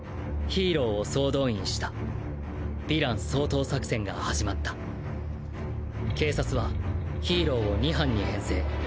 ヒーローを総動員したヴィラン掃討作戦が始まった警察はヒーローを２班に編成。